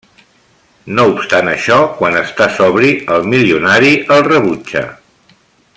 No obstant això, quan està sobri, el milionari el rebutja.